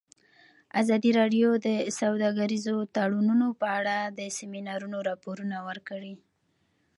ازادي راډیو د سوداګریز تړونونه په اړه د سیمینارونو راپورونه ورکړي.